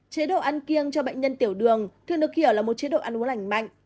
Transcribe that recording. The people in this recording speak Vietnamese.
chế độ ăn kiêng cho bệnh nhân tiểu đường thường được hiểu là một chế độ ăn uống lành mạnh